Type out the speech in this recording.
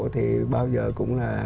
thì bao giờ cũng là